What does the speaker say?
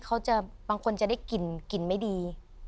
เขาจะบางคนจะได้กลิ่นไม่ดี